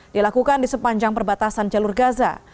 dilakukan di sepanjang perbatasan jalur gaza